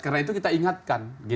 karena itu kita ingatkan